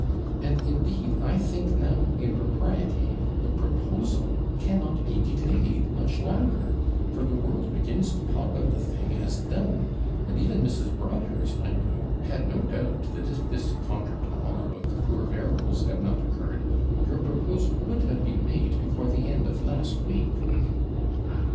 And indeed I think now, in propriety, the proposal cannot be delayed much longer; for the world begins to talk of the thing as done; and even Mrs. Broadhurst, I know, had no doubt that, if this CONTRETEMPS about the poor Berryls had not occurred, your proposal would have been made before the end of last week.'